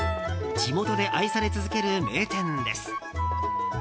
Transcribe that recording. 地元で愛され続ける名店です。